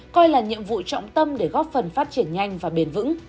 coi là nhiệm vụ trọng tâm để góp phần phát triển nhanh và bền vững